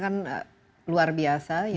kan luar biasa